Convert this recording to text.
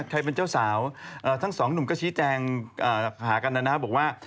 ใครเป็นเจ้าสาวทั้งสองหนุ่มก็ชี้แจงหากันนะครับบอกว่า